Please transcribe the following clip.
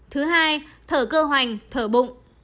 thứ hai thở cơ hoành thở bụng